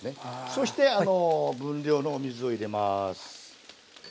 そして分量のお水を入れます。